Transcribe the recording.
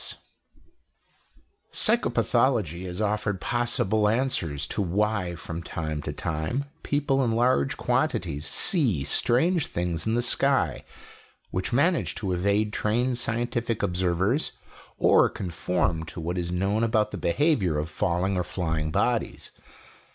net _Psychopathology has offered possible answers to why, from time to time, people in large quantities "see" strange things in the sky which manage to evade trained scientific observers, or conform to what is known about the behavior of falling or flying bodies.